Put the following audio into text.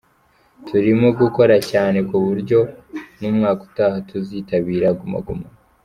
Turimo gukora cyane kuburyo n’umwaka utaha tuzitabira Guma Guma.